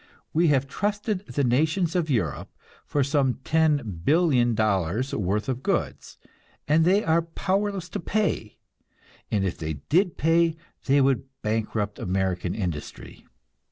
We have trusted the nations of Europe for some $10,000,000,000 worth of goods, and they are powerless to pay, and if they did pay, they would bankrupt American industry.